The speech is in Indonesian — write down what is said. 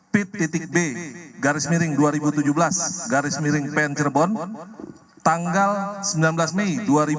pt b garis miring dua ribu tujuh belas garis miring pen cirebon tanggal sembilan belas mei dua ribu dua puluh